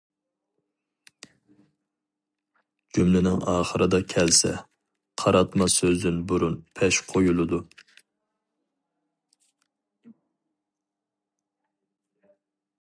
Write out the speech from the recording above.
جۈملىنىڭ ئاخىرىدا كەلسە، قاراتما سۆزدىن بۇرۇن پەش قويۇلىدۇ.